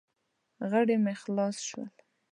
غړي مې خلاص شول.